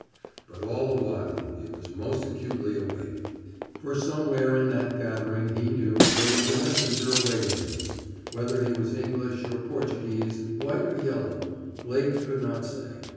But all the while he was most acutely awake. For somewhere in that gathering, he knew, there was a messenger awaiting him. Whether he was English or Portuguese, white or yellow, Blake could not say.